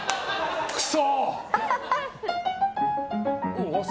クソ！